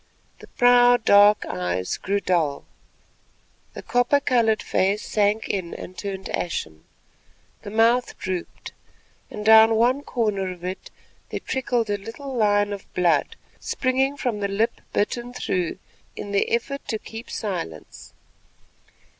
The proud dark eyes grew dull, the copper coloured face sank in and turned ashen, the mouth drooped, and down one corner of it there trickled a little line of blood springing from the lip bitten through in the effort to keep silence.